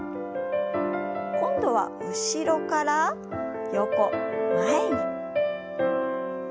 今度は後ろから横前に。